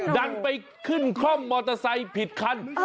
ดันไปขึ้นคล่อมมอเตอร์ไซค์ผิดคัน